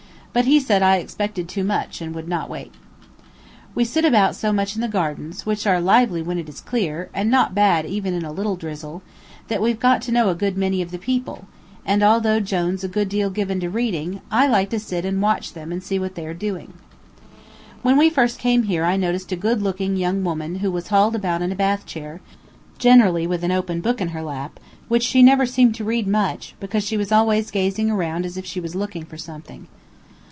but he said I expected too much, and would not wait. We sit about so much in the gardens, which are lively when it is clear, and not bad even in a little drizzle, that we've got to know a good many of the people; and although Jone's a good deal given to reading, I like to sit and watch them and see what they are doing. When we first came here I noticed a good looking young woman who was hauled about in a bath chair, generally with an open book in her lap, which she never seemed to read much, because she was always gazing around as if she was looking for something.